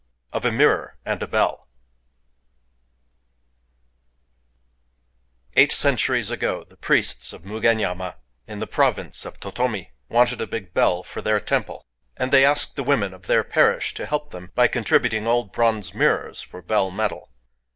OF A MIRROR AND A BELL Eight centuries ago, the priests of Mugenyama, in the province of Tōtōmi (1), wanted a big bell for their temple; and they asked the women of their parish to help them by contributing old bronze mirrors for bell metal.